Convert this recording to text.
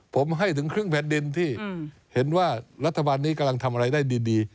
ผมให้ถึงครึ่งแผ่นดินที่เห็นว่ารัฐบาลนี้กำลังทำอะไรได้ดี